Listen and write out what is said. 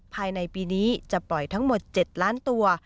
ภายในปีนี้จะปล่อยทั้งหมด๗ล้านตัว